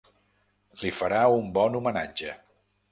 Li farà un bon homenatge.